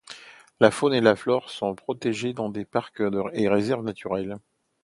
La faune et la flore sont protégées dans des parcs et réserves naturels.